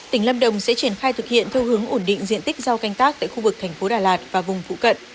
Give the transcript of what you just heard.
tỉnh lâm đồng sẽ triển khai thực hiện theo hướng ổn định diện tích rau canh tác tại khu vực thành phố đà lạt và vùng phụ cận